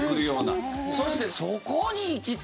そして「そこに行き着くか！」。